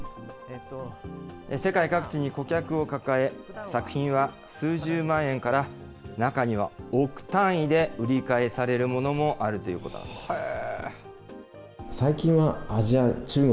世界各地に顧客を抱え、作品は数十万円から、中には億単位で売り買いされるものもあるということなんです。